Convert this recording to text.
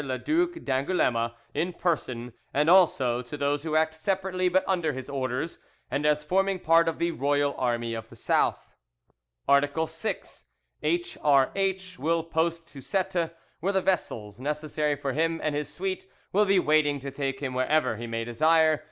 le Duc d'Angouleme in person, and also to those who act separately but under his orders, and as forming part of the royal army of the South. "Art. 6. H.R.H. will post to Cette, where the vessels necessary for him and his suite will be waiting to take him wherever he may desire.